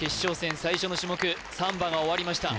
最初の種目サンバが終わりました